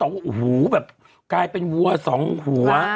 ว่าโอ้โหแบบกลายเป็นวัวสองหัว